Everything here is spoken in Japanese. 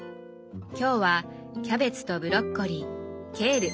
今日はキャベツとブロッコリーケール。